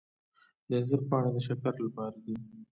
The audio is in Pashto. د انځر پاڼې د شکر لپاره دي.